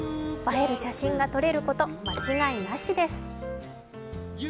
映える写真が撮れること間違いなしです。